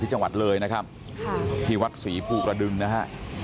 จังหวัดเลยนะครับค่ะที่วัดศรีภูกระดึงนะฮะ